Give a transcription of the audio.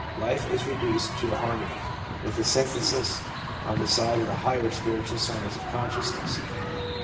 Life is reduced to a harmony, with the synthesis on the side of the higher spiritual centres of consciousness.